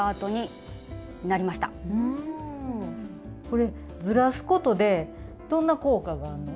これでずらすことでどんな効果があんの？